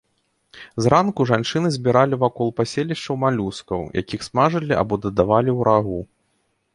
Зранку жанчыны збіралі вакол паселішчаў малюскаў, якіх смажылі, або дадавалі ў рагу.